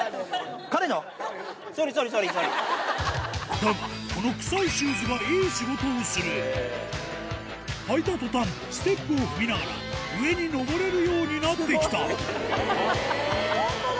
だがこの臭いシューズがいい仕事をする履いた途端ステップを踏みながら上に上れるようになってきた本当だ！